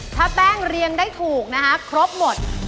ถ้าแป้งเรียงได้ถูกนะคะครบหมด